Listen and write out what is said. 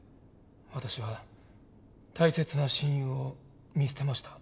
私は大切な親友を見捨てました。